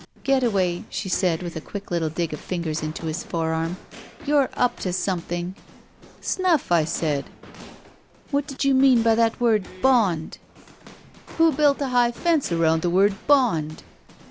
"Getaway," she said, with a quick little dig of fingers into his forearm, "you're up to something!" "Snuff, I said." "What did you mean by that word, 'bond'?" "Who built a high fence around the word 'bond